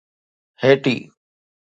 Haiti